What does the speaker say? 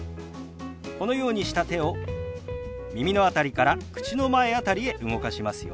このようにした手を耳の辺りから口の前辺りへ動かしますよ。